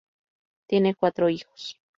Tiene cuatro hijos.